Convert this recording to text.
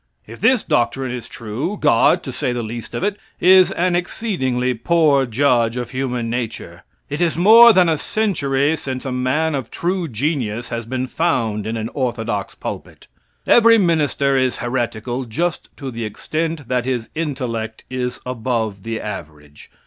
If this doctrine is true, God, to say the least of it, is an exceedingly poor judge of human nature. It is more than a century since a man of true genius has been found in an orthodox pulpit. Every minister is heretical just to the extent that his intellect is above the average.